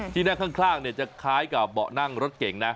ที่นั่งข้างจะคล้ายกับเบาะนั่งรถเก่งนะ